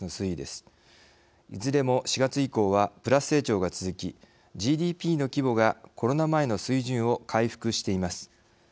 いずれも４月以降はプラス成長が続きＧＤＰの規模がコロナ前の水準を回復しています。